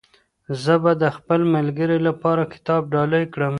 زه به د خپل ملګري لپاره کتاب ډالۍ کړم.